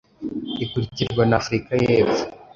ikurikirwa na Afurika y’Epfo